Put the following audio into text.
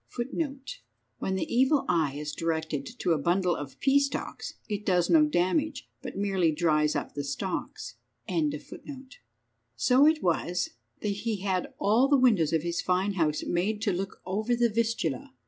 Footnote 1: When the evil eye is directed to a bundle of pea stalks it does no damage, but merely dries up the stalks. So it was that he had all the windows of his fine house made to look over the Vistula.